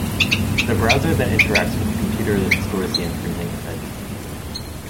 The browser then interacts with the computer that stores the infringing image.